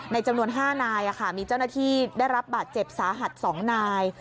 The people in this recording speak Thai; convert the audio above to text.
จำนวน๕นายมีเจ้าหน้าที่ได้รับบาดเจ็บสาหัส๒นาย